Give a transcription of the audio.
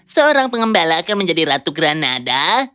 seorang pengembala akan menjadi ratu granada